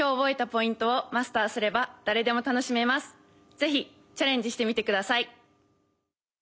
ぜひチャレンジしてみてください。